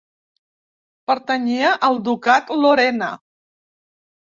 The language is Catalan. Pertanyia al Ducat Lorena.